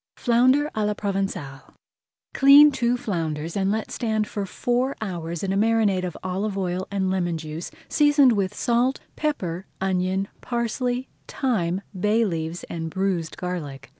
[Page 142] FLOUNDER À LA PROVENÇALE Clean two flounders and let stand for four hours in a marinade of olive oil and lemon juice, seasoned with salt, pepper, onion, parsley, thyme, bay leaves, and bruised garlic.